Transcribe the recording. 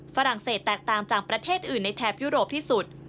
ฝรั่งเศสแตกต่างจากประเทศอื่นในแถบยุโรปที่สุด